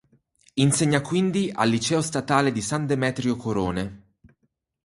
Insegna quindi al Liceo Statale di San Demetrio Corone.